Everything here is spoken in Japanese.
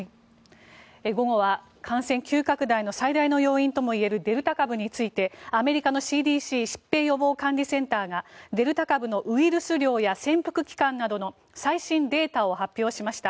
午後は感染急拡大の最大の要因ともいわれるデルタ株についてアメリカのＣＤＣ・疾病予防管理センターがデルタ株のウイルス量や潜伏期間などの最新データを発表しました。